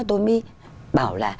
tôi mới bảo là